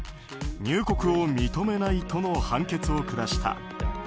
入国を認めないとの判決を下した。